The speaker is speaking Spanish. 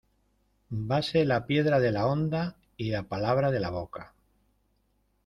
Vase la piedra de la honda y la palabra de la boca.